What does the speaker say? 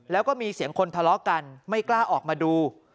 แล้วก็มีเสียงคนทะเลาะกันไม่กล้าออกมาดู